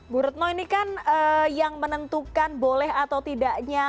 bu retno ini kan yang menentukan boleh atau tidaknya